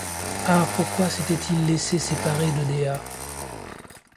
Ah! pourquoi s’était-il laissé séparer de Dea?